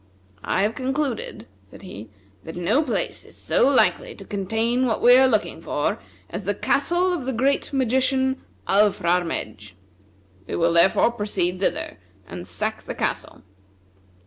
"I have concluded," said he, "that no place is so likely to contain what we are looking for as the castle of the great magician, Alfrarmedj. We will, therefore, proceed thither, and sack the castle."